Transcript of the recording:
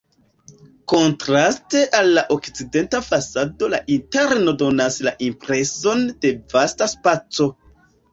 Kontraste al la okcidenta fasado la interno donas la impreson de vasta spaco.